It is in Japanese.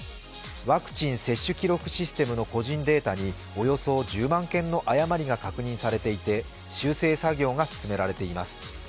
ワクチン接種記録システムの個人データにおよそ１０万件の誤りが確認されていて修正作業が進められています。